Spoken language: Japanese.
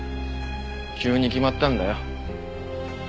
急に決まったんだよ。